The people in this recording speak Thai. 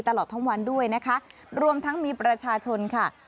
ตลอดทั้งวันด้วยนะคะรวมทั้งมีประชาชนค่ะ